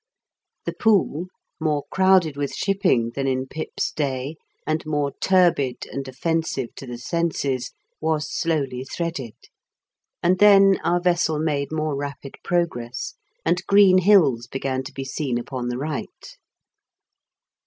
The Pool, more crowded with shipping than in Pip's day, and more turbid and oflfensive to the senses, was slowly threaded, and then our vessel made more rapid progress, and green hills began to be seen upon the right.